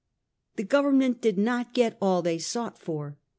The Government did not get all they sought for.